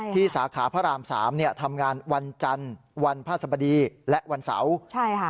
ที่สาขาพระราม๓ทำงานวันจรรย์วันพระสมดีและวันเสาร์